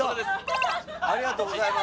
ありがとうございます。